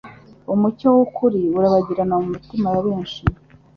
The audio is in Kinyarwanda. Umucyo w'ukuri urabagiranira mu mitima ya benshi